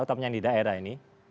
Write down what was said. otopnya yang di daerah ini